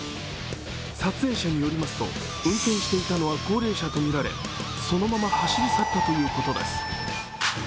撮影者によりますと、運転していたのは高齢者とみられそのまま走り去ったということです。